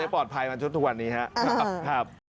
ปลอดภัยมาทุกวันนี้ครับ